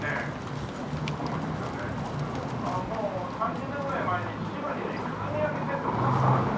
もう３０年ぐらい前に父の日に靴磨きセットもらったな。